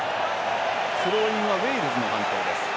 スローインはウェールズの判定。